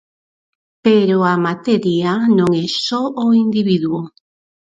Pero a materia non é só o individuo.